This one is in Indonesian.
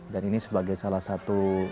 dan ini sebagai salah satu